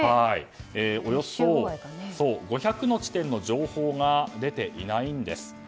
およそ５００の地点の情報が出ていないんです。